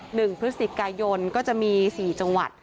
หนึ่งพฤศจิกายนก็จะมีสี่จังหวัด